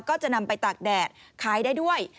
ก็จะนำไปตากแดดขายได้ด้วย